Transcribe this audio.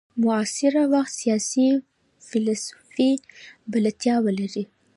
معاصر وخت سیاسي فلسفې بلدتیا ولري.